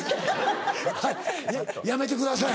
はいやめてください。